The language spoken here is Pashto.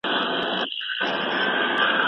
افغانانو په پاني پت کې خپله تاریخي سوبه ولمانځله.